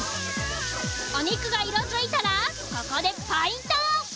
お肉が色づいたらここでポイント！